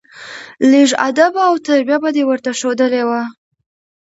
لېږ ادب او تربيه به دې ورته ښودلى وه.